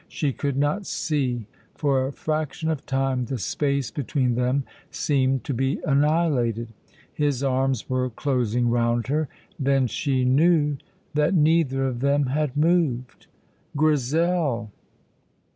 She could not see. For a fraction of time the space between them seemed to be annihilated. His arms were closing round her. Then she knew that neither of them had moved. "Grizel!"